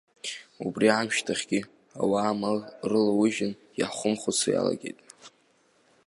Убри аамышьҭахьгьы, ауаа амал рылаужьын, иаҳхымхәыцуа иалагеит.